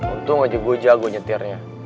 untung aja gue jago nyetirnya